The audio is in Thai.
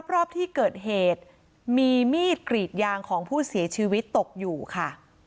รอบที่เกิดเหตุมีมีดกรีดยางของผู้เสียชีวิตตกอยู่ค่ะ